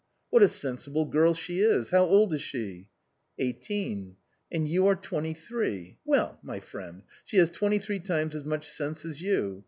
What a sensible girl she is. How old is she ? n u Eighteen." "And you are twenty three; well, my friend, she has twenty three times as much sense as you.